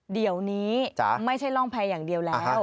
เดี๋ยวนี้ไม่ใช่ร่องแพรอย่างเดียวแล้ว